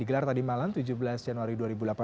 digelar tadi malam tujuh belas januari dua ribu delapan belas